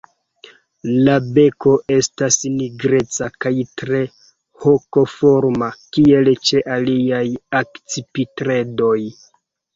La beko estas nigreca kaj tre hokoforma kiel ĉe aliaj akcipitredoj.